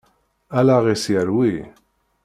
Allaɣ-is yerwi.